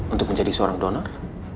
untuk menjadi seorang donor